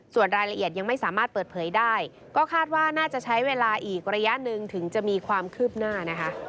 ส่วนรายละเอียดยังไม่สามารถเปิดเผยได้ก็คาดว่าน่าจะใช้เวลาอีกระยะหนึ่งถึงจะมีความคืบหน้านะคะ